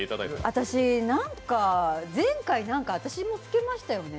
私、なんか前回私もつけましたよね？